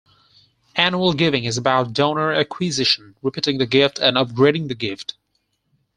Annual giving is about donor acquisition, repeating the gift and upgrading the gift.